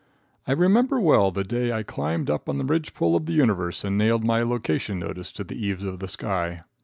I remember well the day I climbed up on the ridge pole of the universe and nailed my location notice to the eaves of the sky.